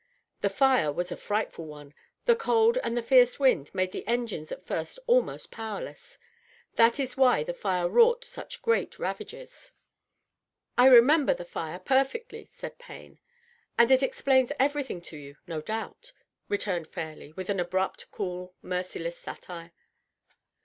The fire was a frightful one. The cold and the fierce wind made the engines at first almost powerless. That is why the fire wrought such great ravages." " I remember the fire perfectly," said Payne. " And it explains ever3rthing to you, no doubt," returned Fairleigh, with an abrupt, cool, merciless satire.